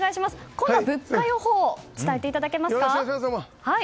今度は物価予報伝えていただけますか？